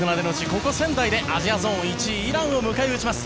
ここ仙台でアジアゾーン１位イランを迎えます。